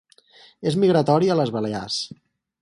És migratori a les Balears.